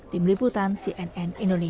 tim liputan cnn indonesia